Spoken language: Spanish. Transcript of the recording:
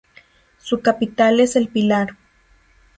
Su capital es El Pilar.